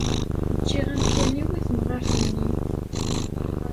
Ǧǧiɣ amkan-iw i temɣart-nni.